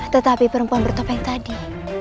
tetapi perempuan bertopeng tadi